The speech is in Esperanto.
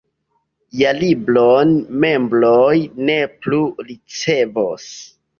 Jarlibron membroj ne plu ricevos.